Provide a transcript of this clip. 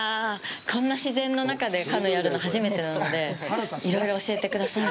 こんな自然の中でカヌーをやるの初めてなので、いろいろ教えてください。